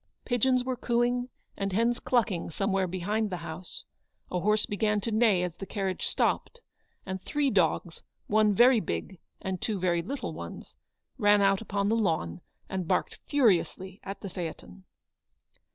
Pigeons were cooing and hens clucking some where behind the house, a horse began to neigh as the carriage stopped, and three dogs, one very big, and two very little ones, ran out upon the lawn, and barked furiously at the phaeton.